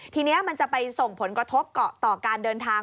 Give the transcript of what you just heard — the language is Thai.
ทีนี้มันจะไปส่งผลกระทบต่อการเดินทาง